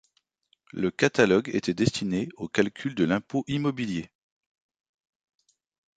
Ce catalogue était destiné au calcul de l'impôt immobilier.